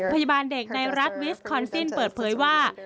พยาบาลเด็กในรัฐวิสคอนซินเปิดเผยว่า